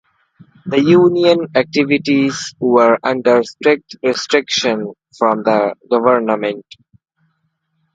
The union activities were under strict restriction from the government.